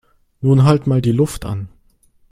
Nun halt mal die Luft an